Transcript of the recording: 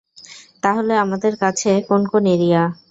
তাহলে আমাদের কাছে কোন কোন এরিয়া?